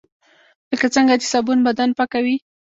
لکه څنګه چې صابون بدن پاکوي .